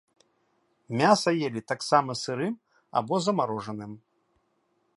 Мяса елі таксама сырым або замарожаным.